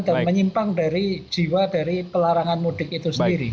dan menyimpang dari jiwa dari pelarangan mudik itu sendiri